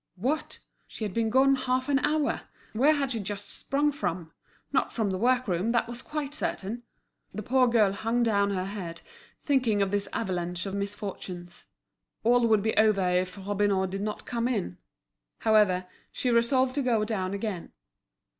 What! she had been gone half an hour! Where had she just sprung from? Not from the work room, that was quite certain! The poor girl hung down her head, thinking of this avalanche of misfortunes. All would be over if Robineau did not come in. However, she resolved to go down again.